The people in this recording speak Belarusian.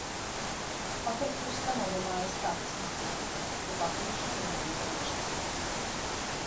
Паколькі ўстанова мае статус інстытута, то фактычна яна незалежна.